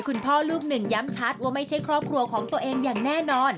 คุณพ่อลูกหนึ่งย้ำชัดว่าไม่ใช่ครอบครัวของตัวเองอย่างแน่นอน